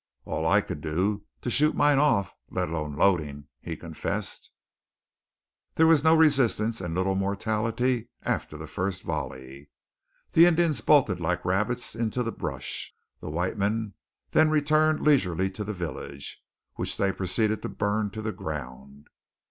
"All I could do to shoot mine off, let alone loading!" he confessed. There was no resistance, and little mortality after the first volley. The Indians bolted like rabbits into the brush. The white men then returned leisurely to the village, which they proceeded to burn to the ground.